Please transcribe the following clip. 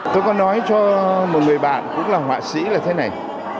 tôi có nói cho một người bạn cũng là họa sĩ là thế này